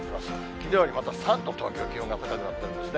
きのうよりまた３度、東京、気温が高くなってますね。